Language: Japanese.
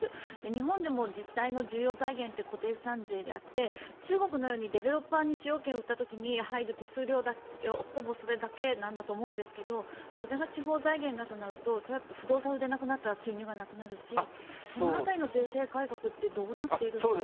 日本でも自治体の重要財源って固定資産税であって中国のようにディベロッパーに使用権を売った時に入る手数料ほぼそれだけだと思うんですがそれが地方財源だとなると不動産が売れなくなったら収入がなくなるしその辺りの税制改革ってどうなっているんでしょうか。